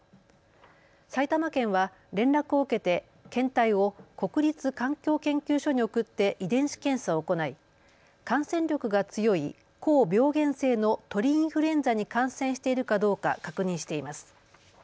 埼玉県は連絡を受けて検体を国立環境研究所に送って遺伝子検査を行い感染力が強い高病原性の鳥インフルエンザに感染しているかどうか確認しています。